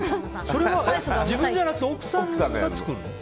それは自分じゃなくて奥さんが作るの？